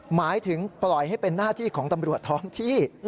หมายถึงปล่อยให้เป็นหน้าที่ของตำรวจท้องที่